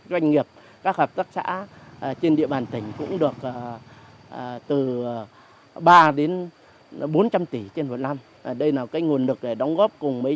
để chúng ta thực hiện chương trình xây dựng nông thôn mới